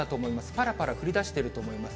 ぱらぱら降りだしてると思います。